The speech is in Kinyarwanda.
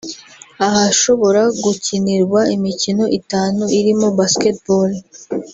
ahashobora gukinirwa imikino itanu irimo Basketball